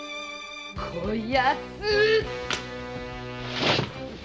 こやつ！